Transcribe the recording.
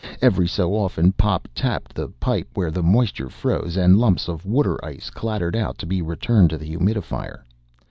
Every so often Pop tapped the pipe where the moisture froze, and lumps of water ice clattered out to be returned to the humidifier.